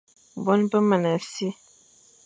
Boñe be mana si,